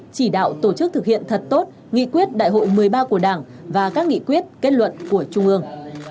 chỉ đạo tổ chức thực hiện thật tốt nghị quyết đại hội một mươi ba của đảng và các nghị quyết kết luận của trung ương